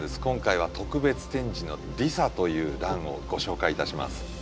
今回は特別展示の「ディサ」というランをご紹介いたします。